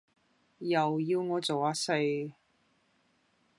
又要我做呀四